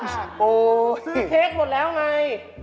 ซื้อเค้กหมดแล้วไง